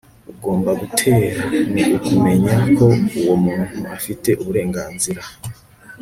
ugomba gutera, ni ukumenya ko uwo muntu afite uburenganzira